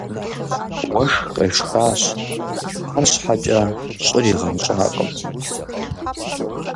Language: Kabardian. Уэшх къешхащ, арщхьэкӏэ щӏыр игъэнщӏакъым.